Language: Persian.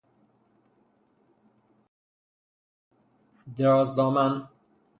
درازدامن